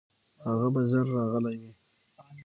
هغه به ژر راغلی وي.